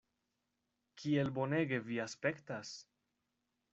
Kiel bonege vi aspektas!